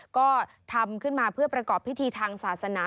ก็ทำขึ้นมาเพื่อประกอบพิธีทางศาสนา